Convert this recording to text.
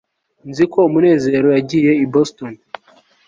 nzi ko munezero yagiye i boston